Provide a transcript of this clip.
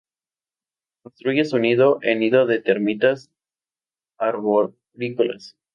Construye su nido en nido de termitas arborícolas.